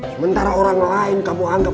sementara orang lain kamu anggap